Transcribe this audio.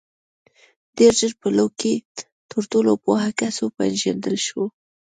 • ډېر ژر په لو کې تر ټولو پوه کس وپېژندل شو.